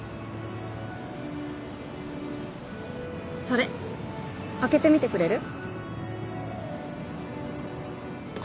それ開けてみてくれる？